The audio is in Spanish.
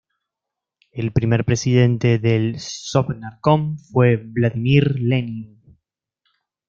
El primer Presidente del Sovnarkom fue Vladímir Lenin.